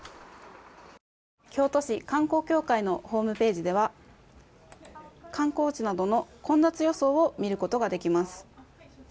京都市観光協会のホームページでは観光地などの混雑予想を見ることができます。